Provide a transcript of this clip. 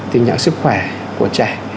tìm nhận sức khỏe của trẻ